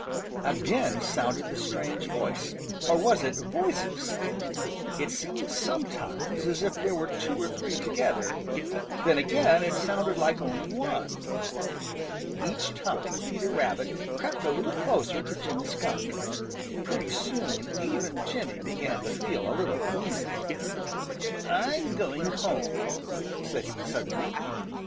Again sounded the strange voice, or was it voices? It seemed sometimes as if there were two or three together. Then again it sounded like only one. Each time Peter Rabbit crept a little closer to Jimmy Skunk. Pretty soon even Jimmy began to feel a little uneasy. "I'm going home," said he suddenly.